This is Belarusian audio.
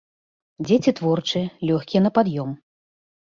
Дзеці творчыя, лёгкія на пад'ём.